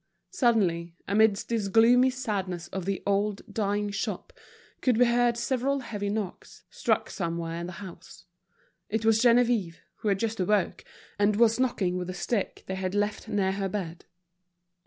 Suddenly, amidst this gloomy sadness of the old dying shop, could be heard several heavy knocks, struck somewhere in the house. It was Geneviève, who had just awoke, and was knocking with a stick they had left near her bed.